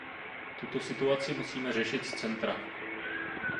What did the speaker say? Tuto situaci musíme řešit z centra.